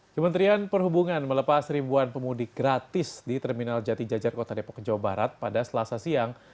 kementerian perhubungan melepas ribuan pemudik gratis di terminal jati jajar kota depok jawa barat pada selasa siang